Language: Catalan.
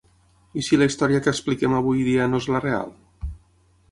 I si la història que expliquem avui dia no és la real?